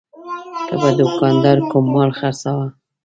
که به دوکاندار کوم مال خرڅاوه.